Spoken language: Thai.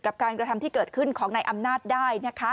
กับการกระทำที่เกิดขึ้นของในอำนาจได้